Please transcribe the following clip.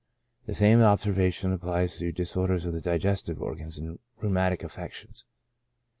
The same observation applies to disorders of the digestive organs and rheumatic affections.